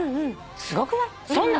すごくない？